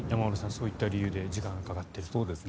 そういった理由で時間がかかっている。